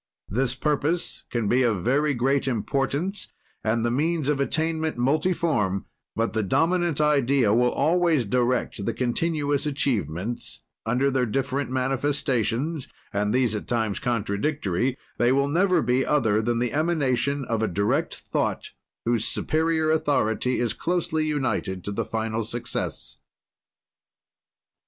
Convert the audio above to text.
This purpose can be of very great importance and the means of attainment multiform, but the dominant idea will always direct the continuous achievements; under their different manifestations and these at times contradictory they will never be other than the emanation of a direct thought, whose superior authority is closely united to the final success.